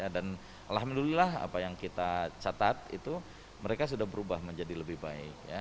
dan alhamdulillah apa yang kita catat itu mereka sudah berubah menjadi lebih baik